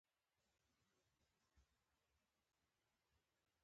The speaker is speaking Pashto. د چټکې اقتصادي ودې بهیر ولې ناڅاپه ټکنی کېږي.